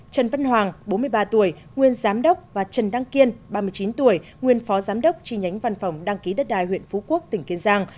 trần văn hoàng bốn mươi ba tuổi nguyên giám đốc và trần đăng kiên ba mươi chín tuổi nguyên phó giám đốc chi nhánh văn phòng đăng ký đất đai huyện phú quốc tỉnh kiên giang